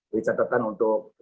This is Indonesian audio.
di catatan untuk panitia